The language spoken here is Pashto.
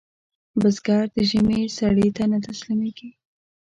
بزګر د ژمي سړې ته نه تسلېږي